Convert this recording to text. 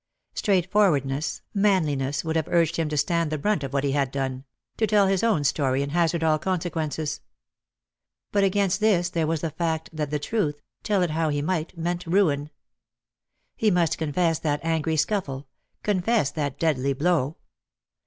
Straightforwardness, manliness would have 174 Lost for Love. urged him to stand the brunt of what he had done ; to tell his own story, and hazard all consequences. But against this there was the fact that the truth, tell it how he might, meant ruin. He must confess that angry scuffle — confess that deadly blow.